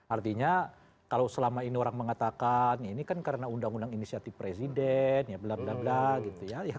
artinya kalau selama ini orang mengatakan ini kan karena undang undang inisiatif presiden ya bla bla bla gitu ya